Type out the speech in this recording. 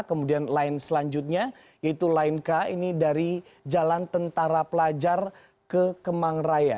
kemudian line selanjutnya yaitu line k ini dari jalan tentara pelajar ke kemang raya